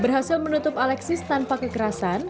berhasil menutup alexis tanpa kekerasan